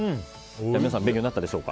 皆さん、勉強になったでしょうか。